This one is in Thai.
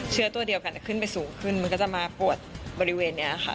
เชื้อตัวเดียวกันขึ้นไปสูงขึ้นมันก็จะมาปวดบริเวณนี้ค่ะ